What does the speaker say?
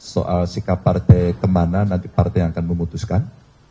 soal sikap partai kemana nanti partai yang akan memutuskan